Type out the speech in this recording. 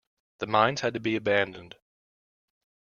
The mines had to be abandoned.